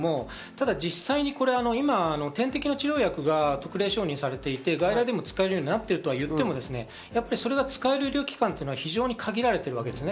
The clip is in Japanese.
ただ実際に点滴の治療薬が特例承認されていて外来でも使えるようになっているとはいっても、それが使える医療機関は非常に限られています。